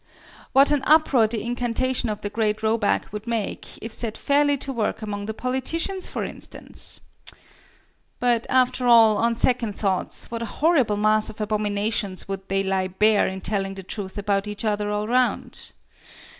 What an uproar the incantation of the great Roback would make, if set fairly to work among the politicians, for instance! But after all, on second thoughts, what a horrible mass of abominations would they lay bare in telling the truth about each other all round!